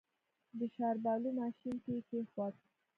د شاربلو ماشين کې يې کېښود.